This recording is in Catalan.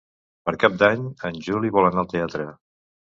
Per Cap d'Any en Juli vol anar al teatre.